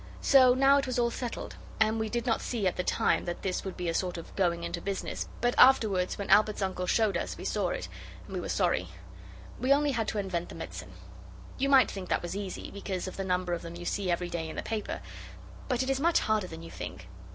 So now it was all settled, and we did not see at the time that this would be a sort of going into business, but afterwards when Albert's uncle showed us we saw it, and we were sorry. We only had to invent the medicine. You might think that was easy, because of the number of them you see every day in the paper, but it is much harder than you think.